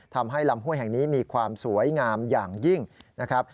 ทำให้ลำห้วยแห่งนี้มีความสวยงามอย่างยิ่งนะครับ